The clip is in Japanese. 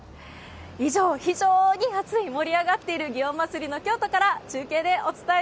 以上、非常に暑い、盛り上がっている祇園祭の京都から中継でお伝え